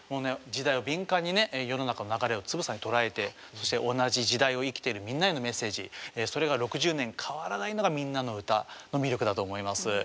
時代を敏感にね世の中の流れをつぶさに捉えてそして同じ時代を生きているみんなへのメッセージそれが６０年変わらないのが「みんなのうた」の魅力だと思います。